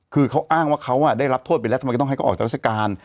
คือเขาอ้างว่าเขาได้รับโทษไปแล้วทำไมก็ต้องให้เขาออกจากราชการ